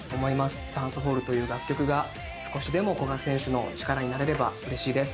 『ダンスホール』という楽曲が少しでも古賀選手の力になれればうれしいです。